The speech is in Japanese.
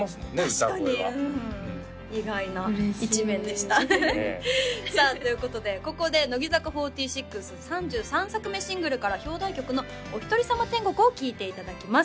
歌声は意外な一面でした嬉しいさあということでここで乃木坂４６３３作目シングルから表題曲の「おひとりさま天国」を聴いていただきます